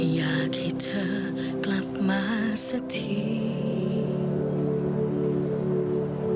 อยากให้เธอกลับมาสักที